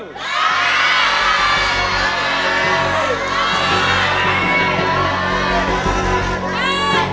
ได้